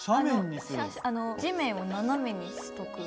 あの地面を斜めにしとく。